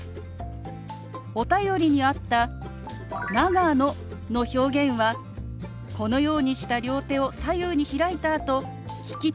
お便りにあった「長野」の表現はこのようにした両手を左右に開いたあと利き手